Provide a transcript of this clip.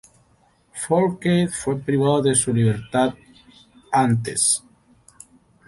Fourcade fue privado de su libertad.antes.